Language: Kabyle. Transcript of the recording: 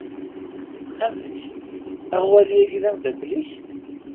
Amek, aɣwali-agi d ameddakel-ik?